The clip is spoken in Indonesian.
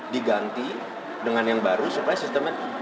diganti dengan yang baru supaya sistemnya